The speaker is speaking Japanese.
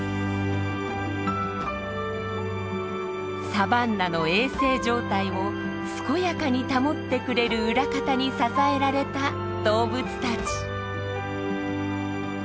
サバンナの衛生状態を健やかに保ってくれる裏方に支えられた動物たち。